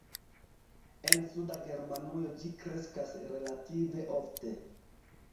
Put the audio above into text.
En suda Germanujo ĝi kreskas relative ofte.